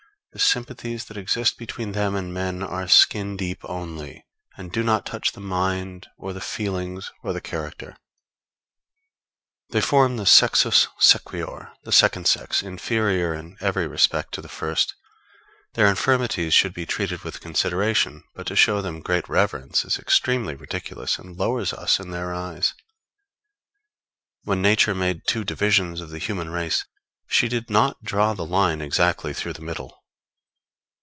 The sympathies that exist between them and men are skin deep only, and do not touch the mind or the feelings or the character_. They form the sexus sequior the second sex, inferior in every respect to the first; their infirmities should be treated with consideration; but to show them great reverence is extremely ridiculous, and lowers us in their eyes. When Nature made two divisions of the human race, she did not draw the line exactly through the middle.